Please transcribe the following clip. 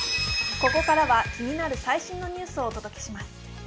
ここからは気になる最新のニュースをお届けします。